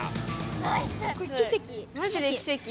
ナイス。